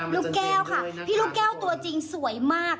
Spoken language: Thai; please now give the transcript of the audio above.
ลูกแก้วค่ะพี่ลูกแก้วตัวจริงสวยมาก